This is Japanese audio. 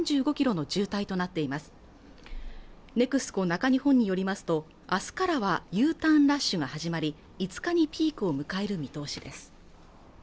中日本によりますとあすからはＵターンラッシュが始まり５日にピークを迎える見通しです